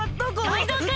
タイゾウくん！